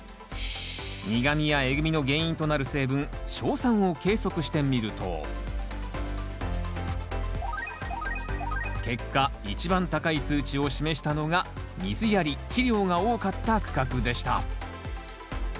苦みやえぐみの原因となる成分硝酸を計測してみると結果一番高い数値を示したのが水やり肥料が多かった区画でした。